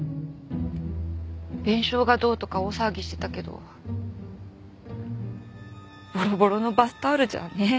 弁償がどうとか大騒ぎしてたけどボロボロのバスタオルじゃねえ。